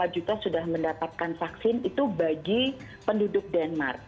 satu lima juta sudah mendapatkan vaksin itu bagi penduduk denmark